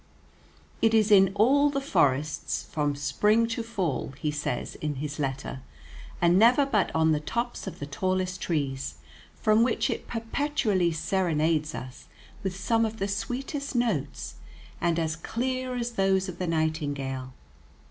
"It is in all the forests, from spring to fall," he says in his letter, "and never but on the tops of the tallest trees, from which it perpetually serenades us with some of the sweetest notes, and as clear as those of the nightingale.